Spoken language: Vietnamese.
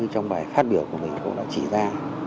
trong bài phát biểu của mình cũng đã chỉ ra